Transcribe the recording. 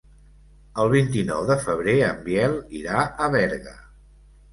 El vint-i-nou de febrer en Biel irà a Berga.